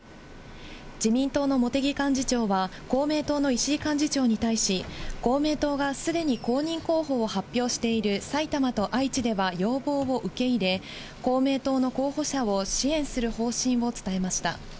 自民党の茂木幹事長は、公明党の石井幹事長に対し、公明党がすでに公認候補を発表している埼玉と愛知では要望を受け入れ、公明党の候補者を支援する方針を伝えました。